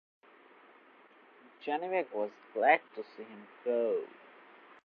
Janibek was glad to see him go.